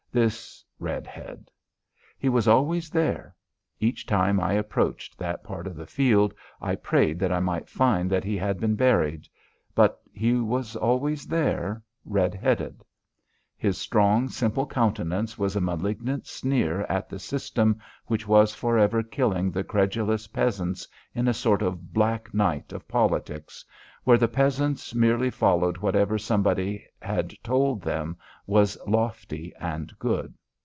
This red head. He was always there. Each time I approached that part of the field I prayed that I might find that he had been buried. But he was always there red headed. His strong simple countenance was a malignant sneer at the system which was forever killing the credulous peasants in a sort of black night of politics, where the peasants merely followed whatever somebody had told them was lofty and good.